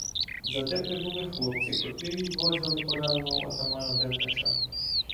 Зате прибули хлопці, котрі відвозили пораненого отамана Деркача.